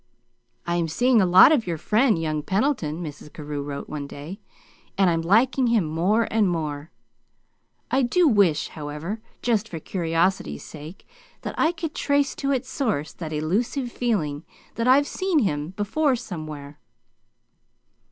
"I am seeing a lot of your friend, young Pendleton," Mrs. Carew wrote one day; "and I'm liking him more and more. I do wish, however just for curiosity's sake that I could trace to its source that elusive feeling that I've seen him before somewhere."